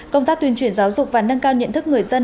công tác tuyên truyền giáo dục và nâng cao nhận thức người dân